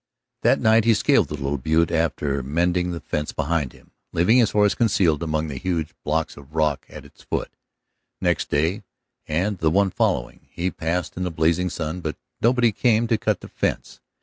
That night he scaled the little butte after mending the fence behind him, leaving his horse concealed among the huge blocks of rock at its foot. Next day, and the one following, he passed in the blazing sun, but nobody came to cut the fence.